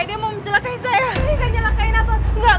dia gak nyelekain apa